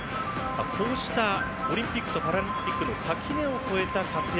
こうしたオリンピックとパラリンピックの垣根を越えた活躍。